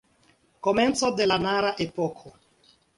Komenco de la Nara-epoko.